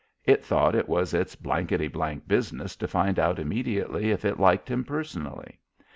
It thought it was its blankety blank business to find out immediately if it liked him personally.